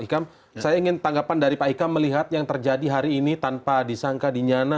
hikam saya ingin tanggapan dari pak hikam melihat yang terjadi hari ini tanpa disangka dinyana